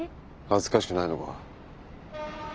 恥ずかしくないのか。